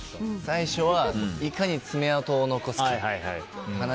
最初は、いかに爪痕を残すか。